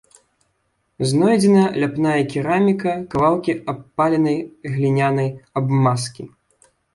Знойдзена ляпная кераміка, кавалкі абпаленай глінянай абмазкі.